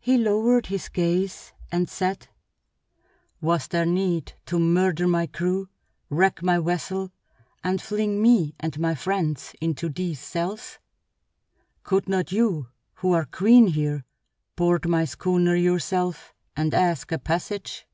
He lowered his gaze and said: "Was there need to murder my crew, wreck my vessel, and fling me and my friends into these cells? Could not you, who are queen here, board my schooner yourself and ask a passage?"